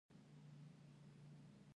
کېدای شي له هغې سره واده وکړم.